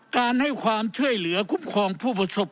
การให้ความช่วยเหลือคุ้มครองผู้ประสบ